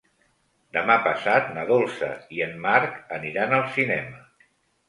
Demà passat na Dolça i en Marc aniran al cinema.